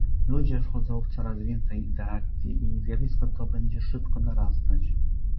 Ludzie wchodzą w coraz więcej interakcji i zjawisko to będzie szybko narastać